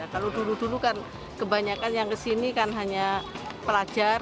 kalau dulu dulu kan kebanyakan yang kesini kan hanya pelajar